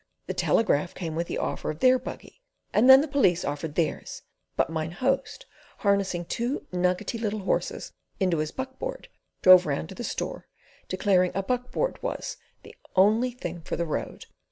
The Telegraph came with the offer of their buggy, and then the Police offered theirs; but Mine Host, harnessing two nuggety little horses into his buck board, drove round to the store, declaring a buck board was the "only thing for the road."